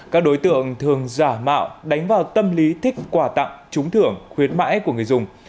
các đối tượng thường giả mạo đánh vào tâm lý thích quả tặng trúng thưởng khuyến mãi của người dùng